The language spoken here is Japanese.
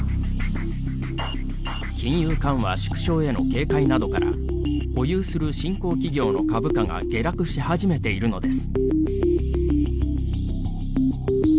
金融緩和縮小への警戒などから保有する新興企業の株価が下落し始めているのです。